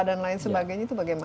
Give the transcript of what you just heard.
dan sebagainya itu bagaimana